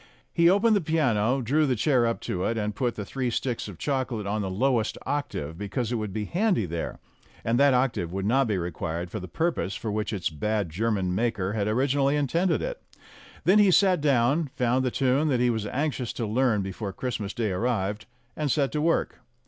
He opened the piano, drew the chair up to it, and put the three sticks of chocolate on the lowest octave, because it would be handy there, and that octave would not be required for the purpose for which its bad German maker had originally intended it. Then he sat down, found the tune that he was anxious to learn before Christmas Day arrived, and set to work.